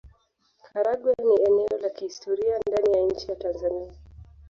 Karagwe ni eneo la kihistoria ndani ya nchi ya Tanzania